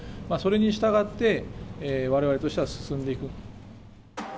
それに従って、われわれとしては進んでいく。